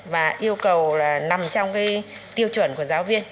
và yêu cầu là nằm trong cái tiêu chuẩn của giáo viên